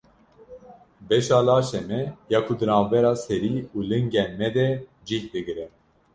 Beşa laşê me ya ku di navbera serî û lingên me de cih digire.